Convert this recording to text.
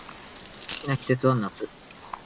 好きな季節は夏